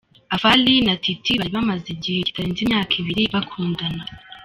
afari na Titie bari bamaze igihe kitarenze imyaka ibiri bakundana.